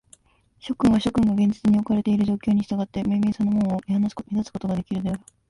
諸君は、諸君が現実におかれている状況に従って、めいめいその門を見出すことができるであろう。